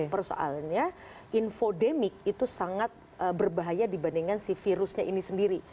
persoalannya infodemik itu sangat berbahaya dibandingkan si virusnya ini sendiri